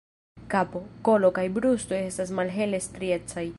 Kapo, kolo kaj brusto estas malhele striecaj.